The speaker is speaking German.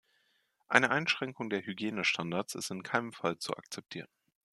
Eine Einschränkung der Hygienestandards ist in keinem Fall zu akzeptieren.